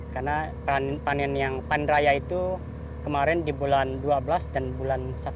karena panen raya itu kemarin di bulan dua belas dan bulan satu